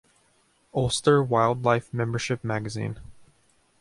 Ulster Wildlife Membership Magazine.